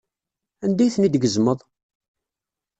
Anda ay ten-id-tgezmeḍ?